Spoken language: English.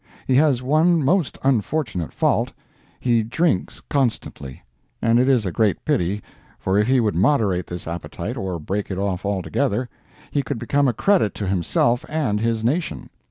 He has one most unfortunate fault—he drinks constantly; and it is a great pity, for if he would moderate this appetite, or break it off altogether, he could become a credit to himself and his nation.